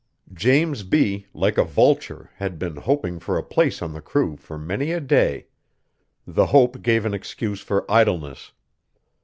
James B., like a vulture, had been hoping for a place on the crew for many a day. The hope gave an excuse for idleness.